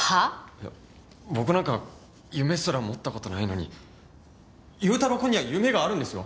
いや僕なんか夢すら持った事ないのに優太郎くんには夢があるんですよ。